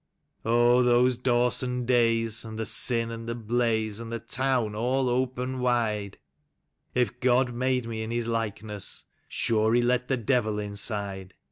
" Oh, those Dawson da3^s, and the sin and the blaze, and the town all open wide ! (If God made me in His likeness, sure He let the devil inside.)